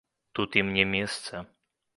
Тут ім не месца!